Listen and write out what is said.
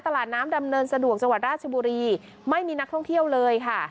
ตลาดน้ำดำเนินสะดวกจังหวัดราชบุรีไม่มีนักท่องเที่ยวเลยค่ะ